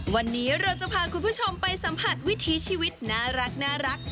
วันนี้เราจะพาคุณผู้ชมไปสัมผัสวิถีชีวิตน่ารัก